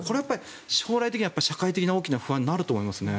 将来的には社会的に大きな不安になると思いますね。